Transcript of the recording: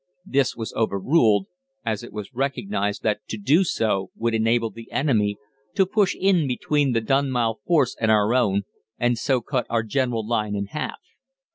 This was overruled, as it was recognised that to do so would enable the enemy to push in between the Dunmow force and our own, and so cut our general line in half.